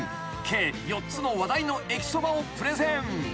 ［計４つの話題の駅そばをプレゼン］